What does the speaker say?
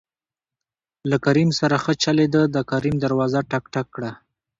له کريم سره ښه چلېده د کريم دروازه ټک، ټک کړه.